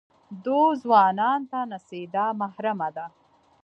دوو ځوانان ته نڅېدا محرمه ده.